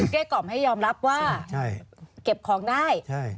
กล่อมให้ยอมรับว่าเก็บของได้